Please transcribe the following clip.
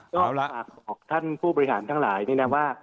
ก็ฝากบอกท่านผู้บริหารทั้งหลายนี่นะว่า